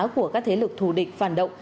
của các thế lực thù địch phản động